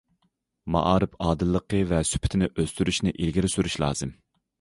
مائارىپ ئادىللىقى ۋە سۈپىتىنى ئۆستۈرۈشنى ئىلگىرى سۈرۈش لازىم.